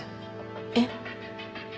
えっ？